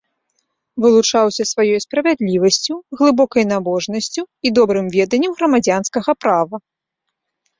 Вылучаўся сваёй справядлівасцю, глыбокай набожнасцю і добрым веданнем грамадзянскага права.